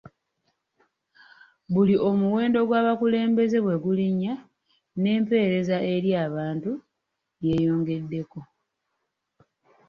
Buli omuwendo gw’abakulembeze bwe gulinnya n’empeereza eri abantu yeeyongeddeko.